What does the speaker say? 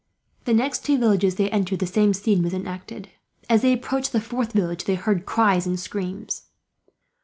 The next two villages they entered, the same scene was enacted. As they approached the fourth village, they heard cries and screams.